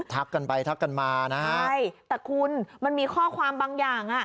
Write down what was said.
กันไปทักกันมานะฮะใช่แต่คุณมันมีข้อความบางอย่างอ่ะ